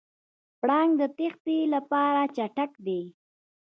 پړانګ د تېښتې لپاره چټک دی.